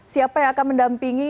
siapa yang akan mendampingi